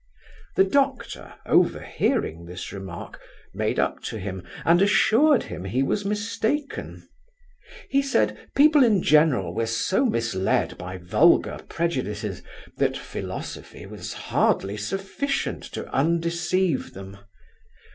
The Doctor overhearing this remark, made up to him, and assured him he was mistaken. He said, people in general were so misled by vulgar prejudices that philosophy was hardly sufficient to undeceive them.